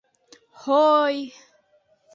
— Һо-ой!